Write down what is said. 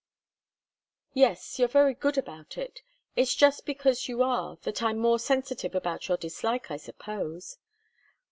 "Yes; you're very good about it. It's just because you are, that I'm more sensitive about your dislike, I suppose."